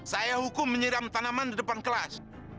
saya hukum menyiram tanaman di depan kelas